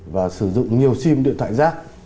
và sử dụng nhiều sim điện thoại rác